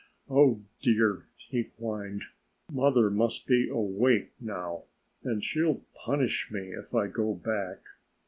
"Oh, dear!" he whined. "Mother must be awake now; and she'll punish me if I go back."